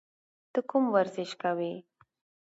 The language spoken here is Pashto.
ته کوم ورزش کوې؟